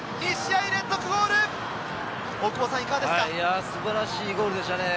いや、素晴らしいゴールでしたね。